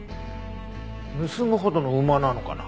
盗むほどの馬なのかな？